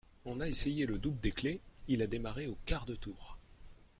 On a essayé le double des clés, il a démarré au quart de tour.